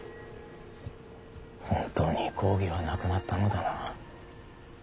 本当に公儀はなくなったのだな。